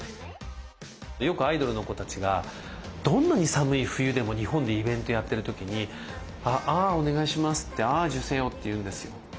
よくアイドルの子たちがどんなに寒い冬でも日本でイベントやってる時に「ア．ア」お願いしますって「ア．アジュセヨ」って言うんですよ。